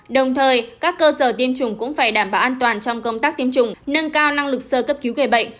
đồng thời các cơ sở tiêm chủng cũng phải đảm bảo an toàn trong công tác tiêm chủng nâng cao năng lực sơ cấp cứu gây bệnh